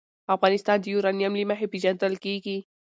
افغانستان د یورانیم له مخې پېژندل کېږي.